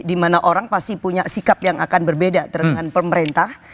dimana orang pasti punya sikap yang akan berbeda dengan pemerintah